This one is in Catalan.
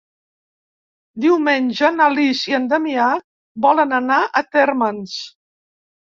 Diumenge na Lis i en Damià volen anar a Térmens.